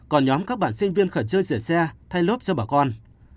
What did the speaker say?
còn nhóm các bạn sinh viên khởi chơi rỉa xe thay lốp cho bà con